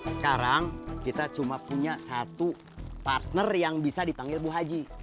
sekarang kita cuma punya satu partner yang bisa dipanggil bu haji